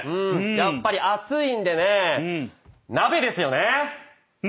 やっぱり暑いんでね鍋ですよね。